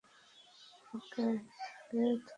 ওকে, তাকে ধরো।